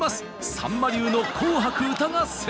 さんま流の「紅白歌合戦」。